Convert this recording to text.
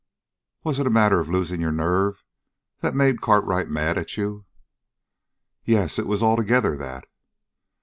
Was it a matter of losing your nerve that made Cartwright mad at you?" "Yes. It was altogether that."